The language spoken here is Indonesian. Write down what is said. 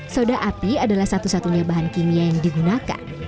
soda api adalah satu satunya bahan kimia yang digunakan